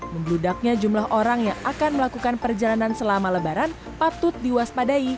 membludaknya jumlah orang yang akan melakukan perjalanan selama lebaran patut diwaspadai